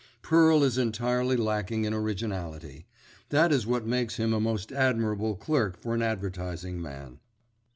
Pearl is entirely lacking in originality. That is what makes him a most admirable clerk for an advertising man.